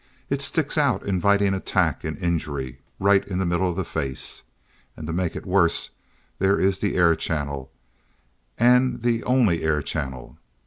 It sticks out inviting attack and injury. Right in the middle of the face. And to make it worse, there is the air channel, and the only air channel.